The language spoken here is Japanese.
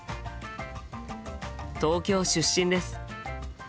東京出身です。